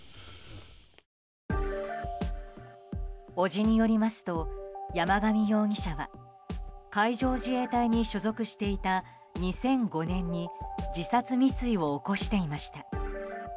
伯父によりますと山上容疑者は海上自衛隊に所属していた２００５年に自殺未遂を起こしていました。